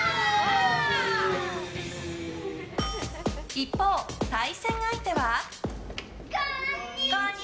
一方、対戦相手は。